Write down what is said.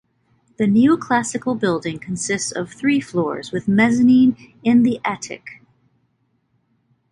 The neoclassical building consists of three floors with mezzanine in the attic.